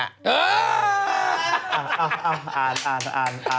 เอาอ่านอ่าน